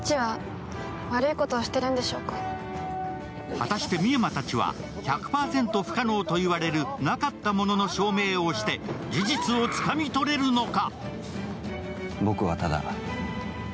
果たして深山たちは１００％不可能といわれるなかったものの証明をして事実をつかみ取れるのか。